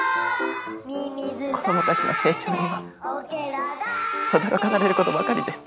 子供たちの成長には驚かされる事ばかりです。